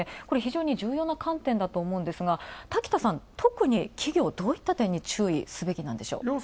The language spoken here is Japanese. これ非常に重要な観点だと思うんですが滝田さん特に企業、注意すべきでしょう？